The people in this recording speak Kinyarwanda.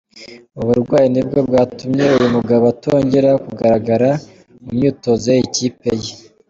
Ubu burwayi nibwo bwatumye uyu mugabo atongera kugaragara mu myitozo y’iyi kipe ye.